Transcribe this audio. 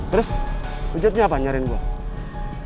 terus ujarnya apa nyariin gue